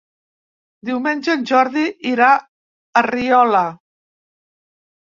Diumenge en Jordi irà a Riola.